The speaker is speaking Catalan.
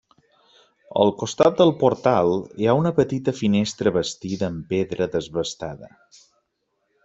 Al costat del portal hi ha una petita finestra bastida en pedra desbastada.